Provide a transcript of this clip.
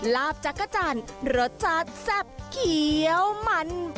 ลาบจักรจันทร์รสชาติแซ่บเขียวมัน